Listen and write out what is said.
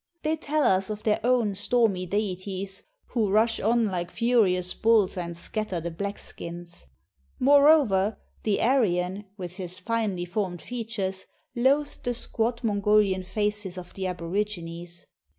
They tell us of their own ""stormy deities, who rush on like furious bulls and scatter the black skins."' ^Moreover, the Ar} an, with his finely formed features, loathed the squat Mongolian faces of the Aborigines.